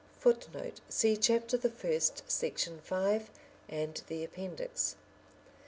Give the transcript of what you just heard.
[Footnote: See Chapter the First, section 5, and the Appendix.